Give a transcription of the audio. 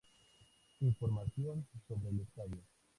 Información sobre el estadio